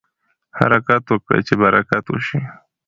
حرکت وکړئ چې برکت وشي.